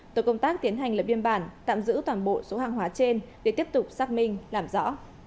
tổ công tác tiến hành lập biên bản tạm giữ toàn bộ số hàng hóa trên để tiếp tục xác minh làm rõ